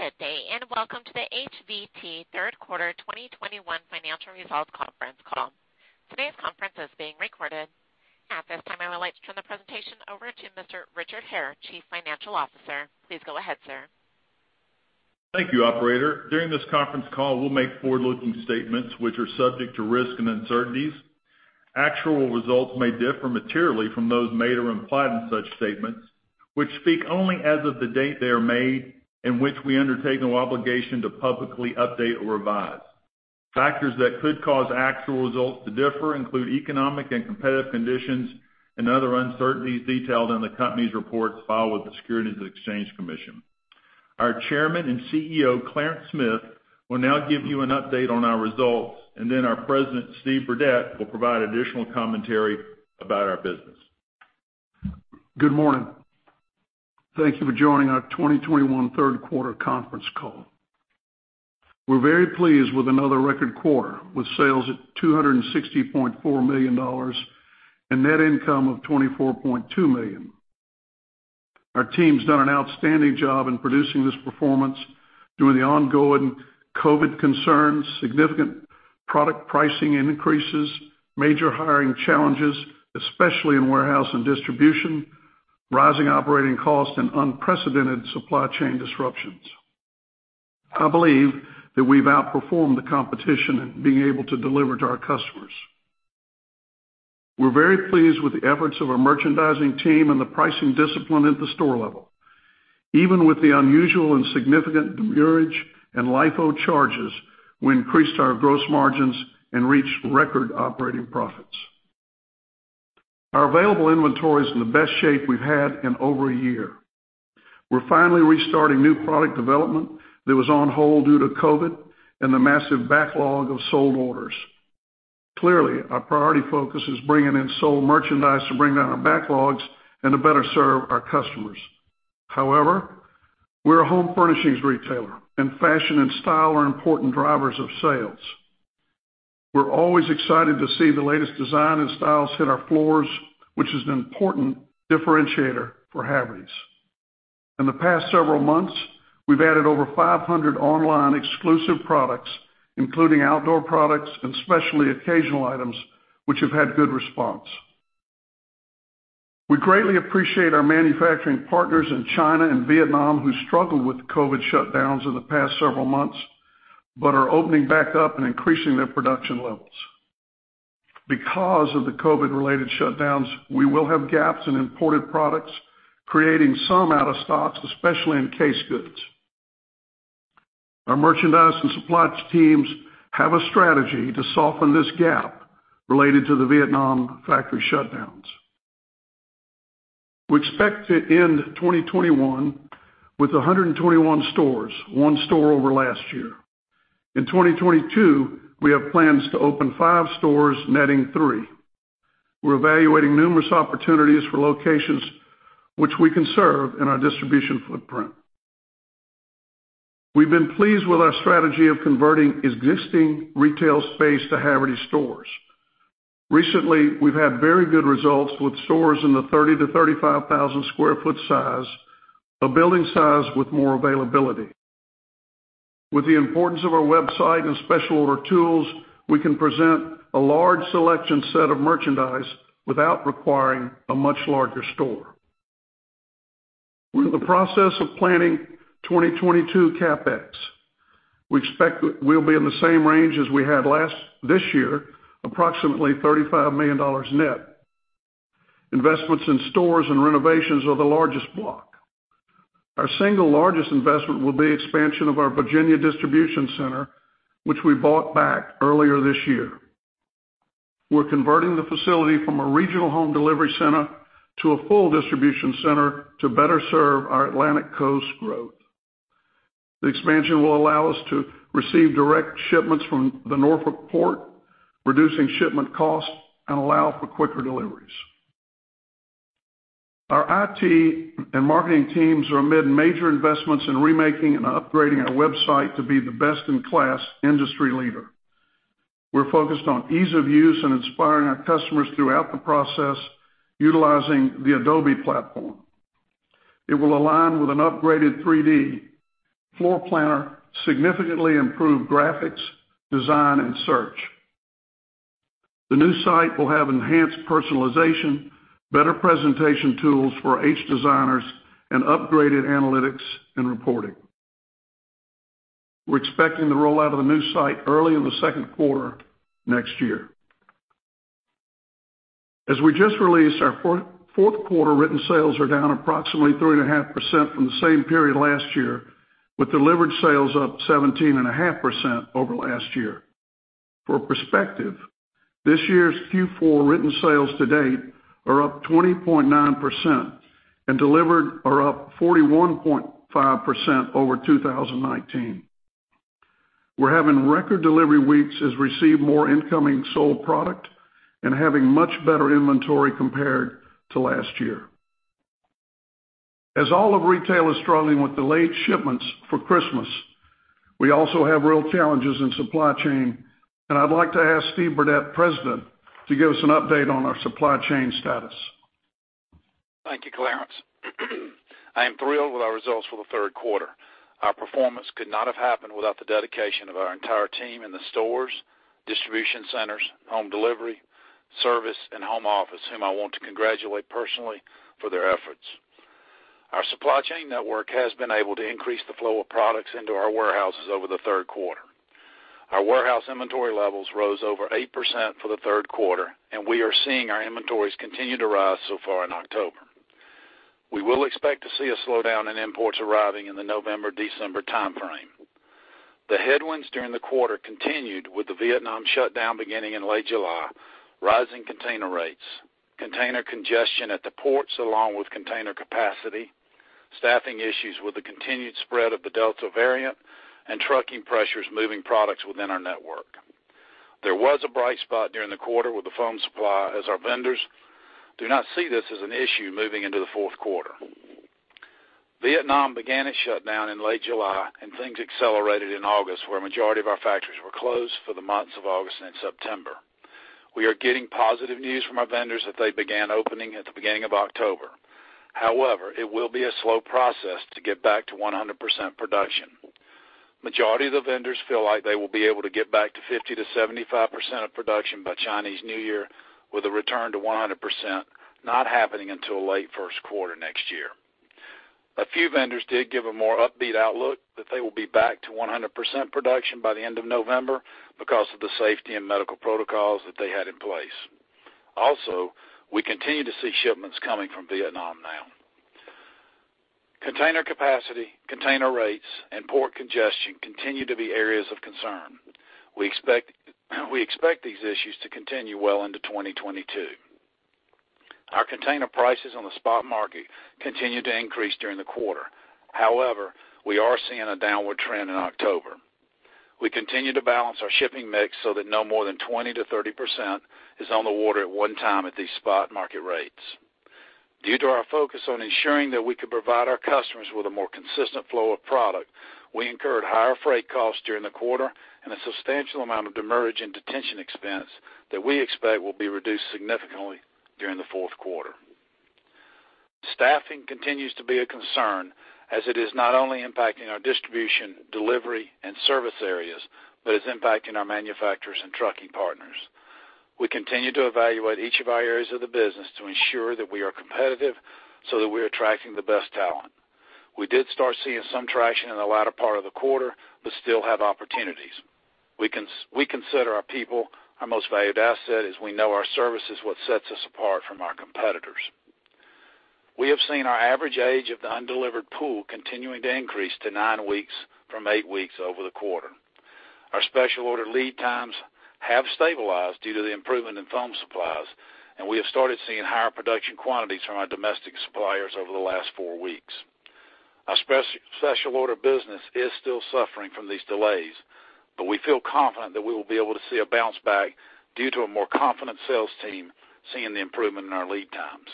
Good day, and welcome to the HVT Third Quarter 2021 Financial Results Conference Call. Today's conference is being recorded. At this time, I would like to turn the presentation over to Mr. Richard Hare, Chief Financial Officer. Please go ahead, sir. Thank you, operator. During this conference call, we'll make forward-looking statements which are subject to risks and uncertainties. Actual results may differ materially from those made or implied in such statements, which speak only as of the date they are made and which we undertake no obligation to publicly update or revise. Factors that could cause actual results to differ include economic and competitive conditions and other uncertainties detailed in the company's reports filed with the Securities and Exchange Commission. Our Chairman and CEO, Clarence Smith, will now give you an update on our results, and then our President, Steve Burdette, will provide additional commentary about our business. Good morning. Thank you for joining our 2021 third quarter conference call. We're very pleased with another record quarter, with sales at $260.4 million and net income of $24.2 million. Our team's done an outstanding job in producing this performance during the ongoing COVID concerns, significant product pricing increases, major hiring challenges, especially in warehouse and distribution, rising operating costs, and unprecedented supply chain disruptions. I believe that we've outperformed the competition in being able to deliver to our customers. We're very pleased with the efforts of our merchandising team and the pricing discipline at the store level. Even with the unusual and significant demurrage and LIFO charges, we increased our gross margins and reached record operating profits. Our available inventory is in the best shape we've had in over a year. We're finally restarting new product development that was on hold due to COVID and the massive backlog of sold orders. Clearly, our priority focus is bringing in sold merchandise to bring down our backlogs and to better serve our customers. However, we're a home furnishings retailer, and fashion and style are important drivers of sales. We're always excited to see the latest design and styles hit our floors, which is an important differentiator for Havertys. In the past several months, we've added over 500 online exclusive products, including outdoor products and specialty occasional items, which have had good response. We greatly appreciate our manufacturing partners in China and Vietnam who struggled with COVID shutdowns in the past several months but are opening back up and increasing their production levels. Because of the COVID-related shutdowns, we will have gaps in imported products, creating some out of stocks, especially in case goods. Our merchandise and supplies teams have a strategy to soften this gap related to the Vietnam factory shutdowns. We expect to end 2021 with 121 stores, 1 store over last year. In 2022, we have plans to open five stores, netting three. We're evaluating numerous opportunities for locations which we can serve in our distribution footprint. We've been pleased with our strategy of converting existing retail space to Havertys stores. Recently, we've had very good results with stores in the 30-35,000 sq ft size, a building size with more availability. With the importance of our website and special order tools, we can present a large selection set of merchandise without requiring a much larger store. We're in the process of planning 2022 capex. We expect that we'll be in the same range as we had this year, approximately $35 million net. Investments in stores and renovations are the largest block. Our single largest investment will be expansion of our Virginia distribution center, which we bought back earlier this year. We're converting the facility from a regional home delivery center to a full distribution center to better serve our Atlantic Coast growth. The expansion will allow us to receive direct shipments from the Norfolk port, reducing shipment costs, and allow for quicker deliveries. Our IT and marketing teams are amid major investments in remaking and upgrading our website to be the best-in-class industry leader. We're focused on ease of use and inspiring our customers throughout the process utilizing the Adobe platform. It will align with an upgraded 3D floor planner, significantly improved graphics, design, and search. The new site will have enhanced personalization, better presentation tools for H designers, and upgraded analytics and reporting. We're expecting the rollout of the new site early in the second quarter next year. As we just released, our fourth quarter written sales are down approximately 3.5% from the same period last year, with delivered sales up 17.5% over last year. For perspective, this year's Q4 written sales to date are up 20.9% and delivered are up 41.5% over 2019. We're having record delivery weeks as we receive more incoming sold product and having much better inventory compared to last year. All of retail is struggling with delayed shipments for Christmas. We also have real challenges in supply chain, and I'd like to ask Steve Burdette, President, to give us an update on our supply chain status. Thank you, Clarence. I am thrilled with our results for the third quarter. Our performance could not have happened without the dedication of our entire team in the stores, distribution centers, home delivery, service, and home office, whom I want to congratulate personally for their efforts. Our supply chain network has been able to increase the flow of products into our warehouses over the third quarter. Our warehouse inventory levels rose over 8% for the third quarter, and we are seeing our inventories continue to rise so far in October. We will expect to see a slowdown in imports arriving in the November-December timeframe. The headwinds during the quarter continued with the Vietnam shutdown beginning in late July, rising container rates, container congestion at the ports, along with container capacity, staffing issues with the continued spread of the Delta variant, and trucking pressures moving products within our network. There was a bright spot during the quarter with the foam supply, as our vendors do not see this as an issue moving into the fourth quarter. Vietnam began its shutdown in late July, and things accelerated in August, where a majority of our factories were closed for the months of August and September. We are getting positive news from our vendors that they began opening at the beginning of October. However, it will be a slow process to get back to 100% production. Majority of the vendors feel like they will be able to get back to 50%-75% of production by Chinese New Year, with a return to 100% not happening until late first quarter next year. A few vendors did give a more upbeat outlook that they will be back to 100% production by the end of November because of the safety and medical protocols that they had in place. Also, we continue to see shipments coming from Vietnam now. Container capacity, container rates, and port congestion continue to be areas of concern. We expect these issues to continue well into 2022. Our container prices on the spot market continued to increase during the quarter. However, we are seeing a downward trend in October. We continue to balance our shipping mix so that no more than 20%-30% is on the water at one time at these spot market rates. Due to our focus on ensuring that we can provide our customers with a more consistent flow of product, we incurred higher freight costs during the quarter and a substantial amount of demurrage and detention expense that we expect will be reduced significantly during the fourth quarter. Staffing continues to be a concern, as it is not only impacting our distribution, delivery, and service areas, but it's impacting our manufacturers and trucking partners. We continue to evaluate each of our areas of the business to ensure that we are competitive so that we are attracting the best talent. We did start seeing some traction in the latter part of the quarter, but still have opportunities. We consider our people our most valued asset, as we know our service is what sets us apart from our competitors. We have seen our average age of the undelivered pool continuing to increase to 9 weeks from eight weeks over the quarter. Our special order lead times have stabilized due to the improvement in foam supplies, and we have started seeing higher production quantities from our domestic suppliers over the last four weeks. Our special order business is still suffering from these delays, but we feel confident that we will be able to see a bounce back due to a more confident sales team seeing the improvement in our lead times.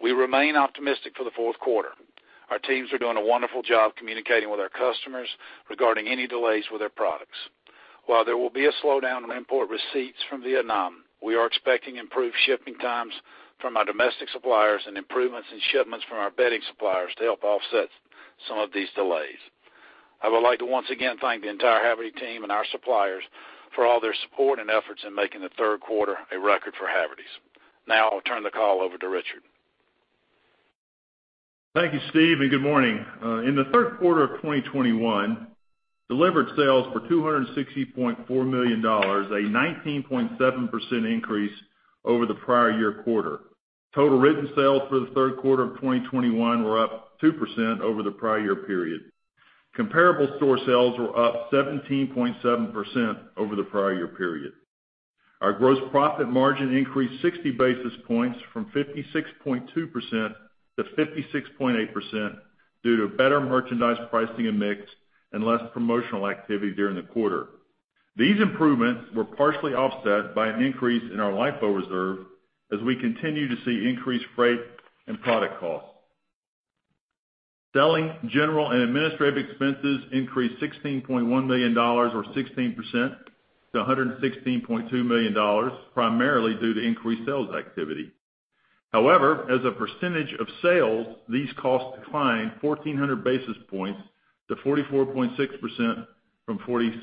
We remain optimistic for the fourth quarter. Our teams are doing a wonderful job communicating with our customers regarding any delays with their products. While there will be a slowdown in import receipts from Vietnam, we are expecting improved shipping times from our domestic suppliers and improvements in shipments from our bedding suppliers to help offset some of these delays. I would like to once again thank the entire Havertys team and our suppliers for all their support and efforts in making the third quarter a record for Havertys. Now I'll turn the call over to Richard. Thank you, Steve, and good morning. In the third quarter of 2021, delivered sales were $260.4 million, a 19.7% increase over the prior year quarter. Total written sales for the third quarter of 2021 were up 2% over the prior year period. Comparable store sales were up 17.7% over the prior year period. Our gross profit margin increased 60 basis points from 56.2% to 56.8% due to better merchandise pricing and mix and less promotional activity during the quarter. These improvements were partially offset by an increase in our LIFO reserve as we continue to see increased freight and product costs. Selling, general, and administrative expenses increased $16.1 million or 16% to $116.2 million, primarily due to increased sales activity. However, as a percentage of sales, these costs declined 1,400 basis points to 44.6% from 46%.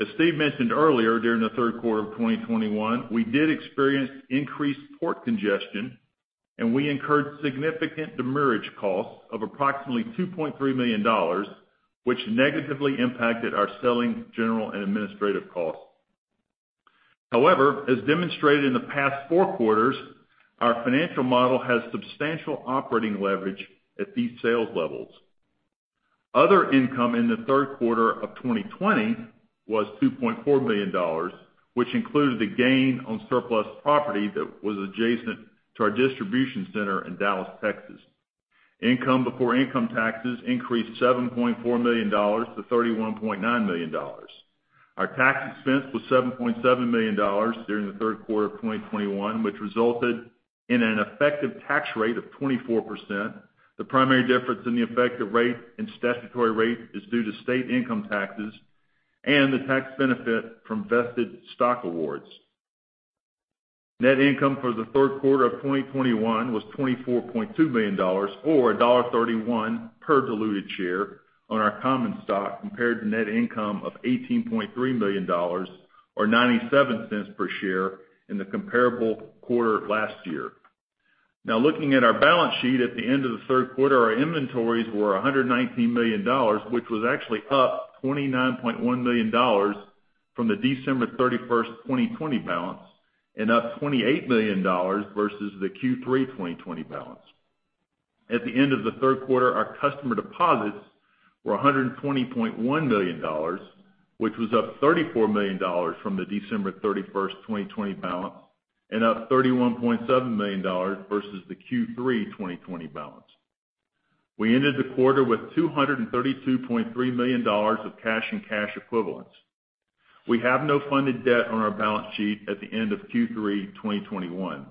As Steve mentioned earlier, during the third quarter of 2021, we did experience increased port congestion, and we incurred significant demurrage costs of approximately $2.3 million, which negatively impacted our selling, general, and administrative costs. However, as demonstrated in the past four quarters, our financial model has substantial operating leverage at these sales levels. Other income in the third quarter of 2020 was $2.4 million, which included a gain on surplus property that was adjacent to our distribution center in Dallas, Texas. Income before income taxes increased $7.4 million to $31.9 million. Our tax expense was $7.7 million during the third quarter of 2021, which resulted in an effective tax rate of 24%. The primary difference in the effective rate and statutory rate is due to state income taxes and the tax benefit from vested stock awards. Net income for the third quarter of 2021 was $24.2 million, or $1.31 per diluted share on our common stock compared to net income of $18.3 million or $0.97 per share in the comparable quarter last year. Now, looking at our balance sheet at the end of the third quarter, our inventories were $119 million, which was actually up $29.1 million from the December 31, 2020 balance and up $28 million versus the Q3 2020 balance. At the end of the third quarter, our customer deposits were $120.1 million, which was up $34 million from the December 31, 2020 balance and up $31.7 million versus the Q3 2020 balance. We ended the quarter with $232.3 million of cash and cash equivalents. We have no funded debt on our balance sheet at the end of Q3 2021.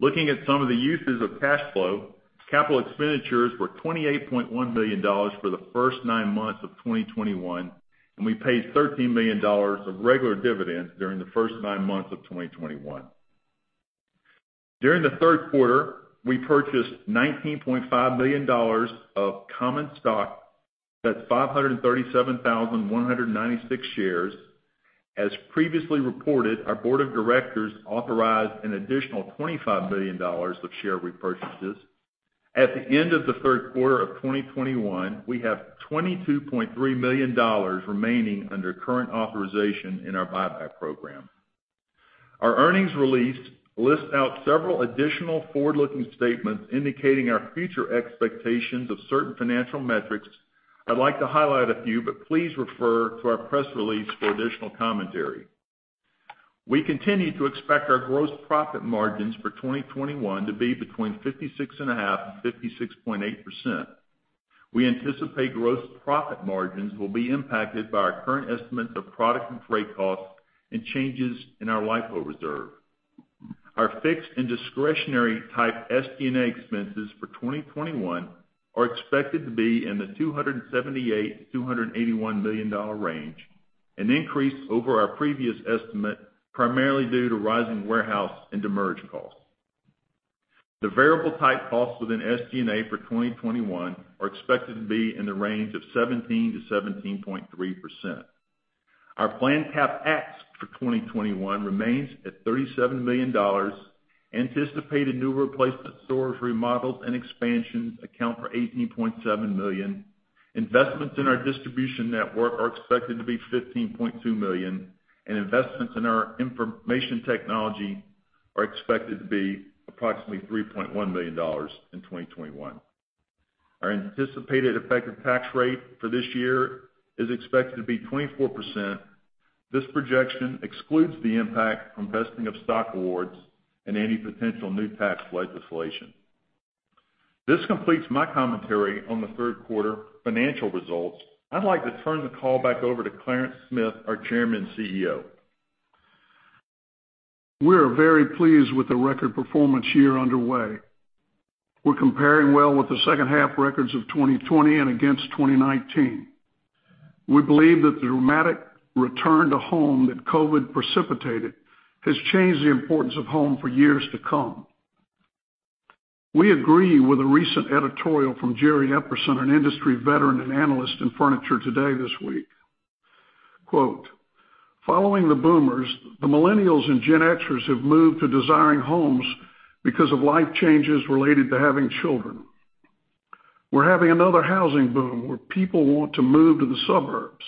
Looking at some of the uses of cash flow, capital expenditures were $28.1 million for the first nine months of 2021, and we paid $13 million of regular dividends during the first nine months of 2021. During the third quarter, we purchased $19.5 million of common stock. That's 537,196 shares. As previously reported, our board of directors authorized an additional $25 million of share repurchases. At the end of the third quarter of 2021, we have $22.3 million remaining under current authorization in our buyback program. Our earnings release lists out several additional forward-looking statements indicating our future expectations of certain financial metrics. I'd like to highlight a few, but please refer to our press release for additional commentary. We continue to expect our gross profit margins for 2021 to be between 56.5% and 56.8%. We anticipate gross profit margins will be impacted by our current estimates of product and freight costs and changes in our LIFO reserve. Our fixed and discretionary type SG&A expenses for 2021 are expected to be in the $278-$281 million range, an increase over our previous estimate, primarily due to rising warehouse and delivery costs. The variable type costs within SG&A for 2021 are expected to be in the range of 17%-17.3%. Our planned capex for 2021 remains at $37 million. Anticipated new replacement stores, remodels, and expansions account for $18.7 million. Investments in our distribution network are expected to be $15.2 million, and investments in our information technology are expected to be approximately $3.1 million in 2021. Our anticipated effective tax rate for this year is expected to be 24%. This projection excludes the impact from vesting of stock awards and any potential new tax legislation. This completes my commentary on the third quarter financial results. I'd like to turn the call back over to Clarence Smith, our Chairman and CEO. We are very pleased with the record performance year underway. We're comparing well with the second half records of 2020 and against 2019. We believe that the dramatic return to home that COVID precipitated has changed the importance of home for years to come. We agree with a recent editorial from Jerry Epperson, an industry veteran and analyst in Furniture Today this week. Quote, "Following the boomers, the millennials and Gen Xers have moved to desiring homes because of life changes related to having children. We're having another housing boom where people want to move to the suburbs.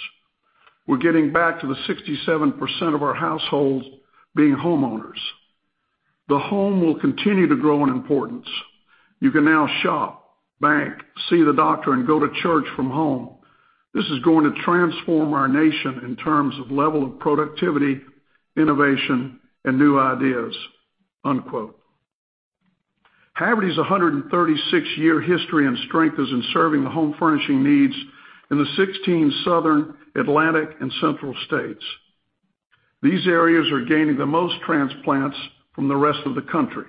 We're getting back to the 67% of our households being homeowners. The home will continue to grow in importance. You can now shop, bank, see the doctor, and go to church from home. This is going to transform our nation in terms of level of productivity, innovation, and new ideas." Unquote. Havertys' 136-year history and strength is in serving the home furnishing needs in the 16 southern Atlantic and central states. These areas are gaining the most transplants from the rest of the country.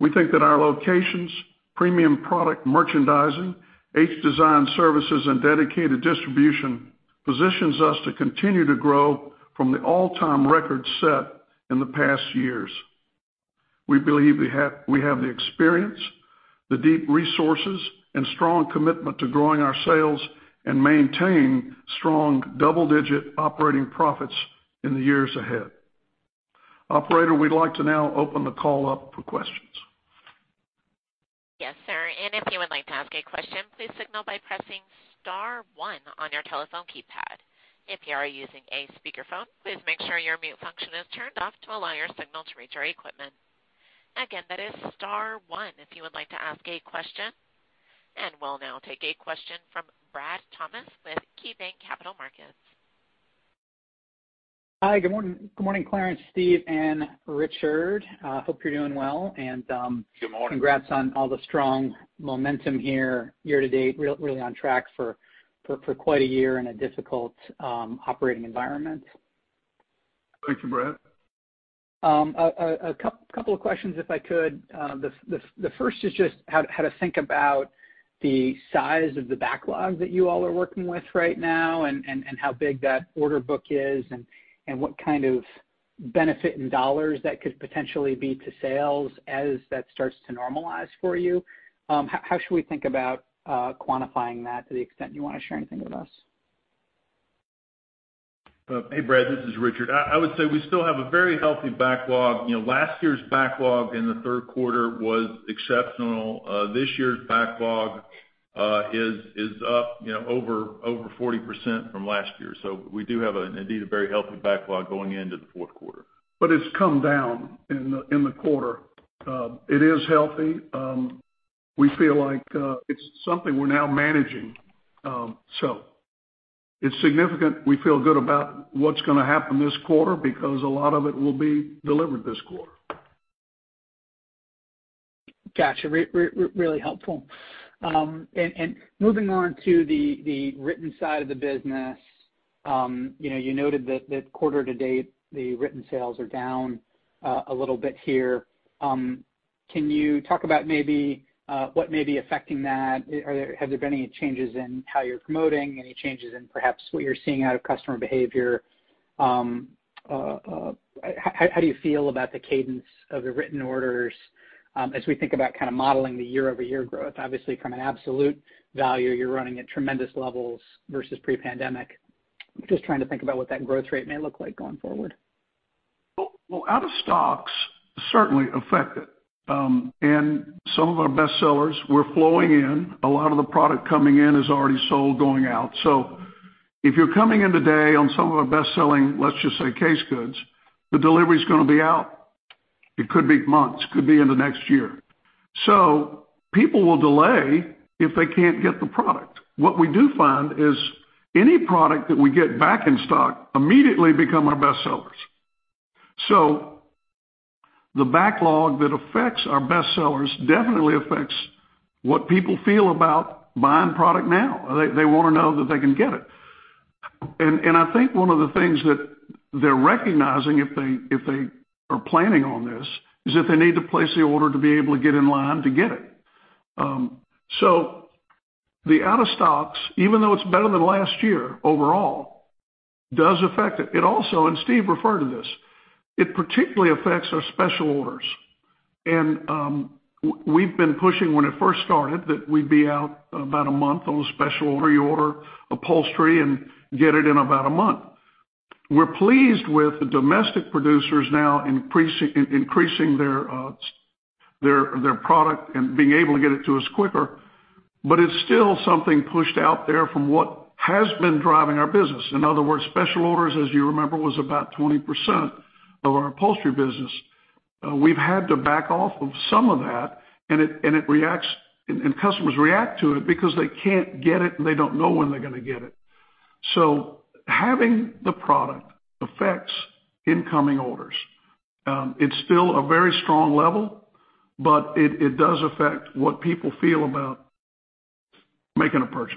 We think that our locations, premium product merchandising, H Design services, and dedicated distribution positions us to continue to grow from the all-time record set in the past years. We believe we have the experience, the deep resources, and strong commitment to growing our sales and maintain strong double-digit operating profits in the years ahead. Operator, we'd like to now open the call up for questions. Yes, sir. If you would like to ask a question, please signal by pressing star one on your telephone keypad. If you are using a speakerphone, please make sure your mute function is turned off to allow your signal to reach our equipment. Again, that is star one if you would like to ask a question. We'll now take a question from Brad Thomas with KeyBanc Capital Markets. Hi. Good morning. Good morning, Clarence, Steve, and Richard. Hope you're doing well and, Good morning. Congrats on all the strong momentum here year-to-date. Really on track for quite a year in a difficult operating environment. Thank you, Brad. A couple of questions, if I could. The first is just how to think about the size of the backlog that you all are working with right now and how big that order book is and what kind of benefit in dollars that could potentially be to sales as that starts to normalize for you. How should we think about quantifying that to the extent you wanna share anything with us? Hey, Brad, this is Richard. I would say we still have a very healthy backlog. You know, last year's backlog in the third quarter was exceptional. This year's backlog is up, you know, over 40% from last year. We do have, indeed, a very healthy backlog going into the fourth quarter. It's come down in the quarter. It is healthy. We feel like it's something we're now managing. It's significant. We feel good about what's gonna happen this quarter because a lot of it will be delivered this quarter. Gotcha. Really helpful. Moving on to the written side of the business, you know, you noted that quarter to date the written sales are down a little bit here. Can you talk about maybe what may be affecting that? Have there been any changes in how you're promoting? Any changes in, perhaps, what you're seeing out of customer behavior? How do you feel about the cadence of the written orders as we think about kinda modeling the year-over-year growth? Obviously, from an absolute value, you're running at tremendous levels versus pre-pandemic. I'm just trying to think about what that growth rate may look like going forward. Well, out of stocks certainly affect it. Some of our best sellers were flowing in. A lot of the product coming in is already sold going out. If you're coming in today on some of our best-selling, let's just say, case goods, the delivery is gonna be out. It could be months, could be in the next year. People will delay if they can't get the product. What we do find is any product that we get back in stock immediately become our best sellers. The backlog that affects our best sellers definitely affects what people feel about buying product now. They wanna know that they can get it. I think one of the things that they're recognizing if they are planning on this is that they need to place the order to be able to get in line to get it. So the out of stocks, even though it's better than last year overall, does affect it. It also, and Steve referred to this, it particularly affects our special orders. We've been pushing when it first started that we'd be out about a month on a special order. You order upholstery and get it in about a month. We're pleased with the domestic producers now increasing their product and being able to get it to us quicker. But it's still something pushed out there from what has been driving our business. In other words, special orders, as you remember, was about 20% of our upholstery business. We've had to back off of some of that, and customers react to it because they can't get it, and they don't know when they're gonna get it. Having the product affects incoming orders. It's still a very strong level, but it does affect what people feel about making a purchase.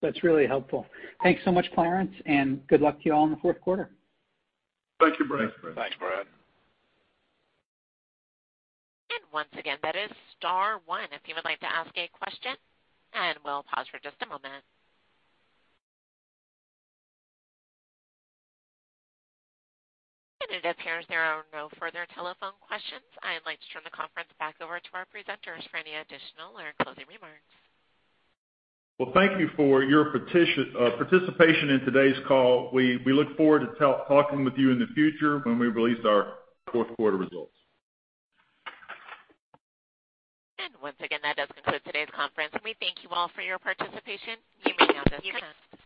That's really helpful. Thanks so much, Clarence, and good luck to you all in the fourth quarter. Thank you, Brad. Thanks, Brad. Once again, that is star one if you would like to ask a question, and we'll pause for just a moment. It appears there are no further telephone questions. I'd like to turn the conference back over to our presenters for any additional or closing remarks. Well, thank you for your participation in today's call. We look forward to talking with you in the future when we release our fourth quarter results. Once again, that does conclude today's conference. We thank you all for your participation. You may disconnect.